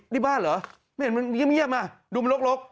นี่บ้านเหรอมันเงียบดูมันลก